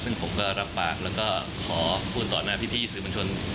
ซึ่งผมก็รับปากแล้วก็ขอพูดต่อหน้าพี่สื่อบัญชน